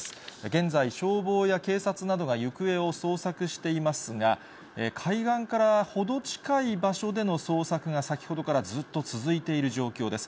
現在、消防や警察などが行方を捜索していますが、海岸から程近い場所での捜索が先ほどからずっと続いている状況です。